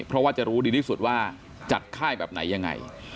เพราะว่าจะรู้ดีที่สุดว่าจัดค่ายแบบไหนยังไง